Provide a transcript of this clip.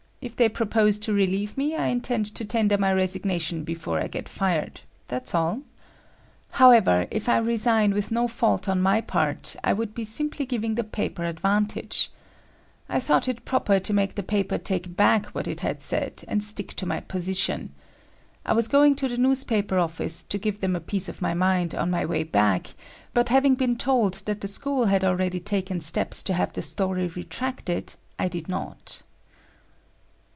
If they propose to relieve me, I intend to tender my resignation before I get fired,—that's all. However, if I resign with no fault on my part, I would be simply giving the paper advantage. I thought it proper to make the paper take back what it had said, and stick to my position. I was going to the newspaper office to give them a piece of my mind on my way back but having been told that the school had already taken steps to have the story retracted, I did not.